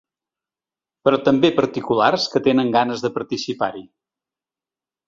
Però també particulars que tenen ganes de participar-hi.